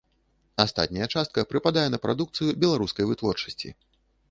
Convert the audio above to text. Астатняя частка прыпадае на прадукцыю беларускай вытворчасці.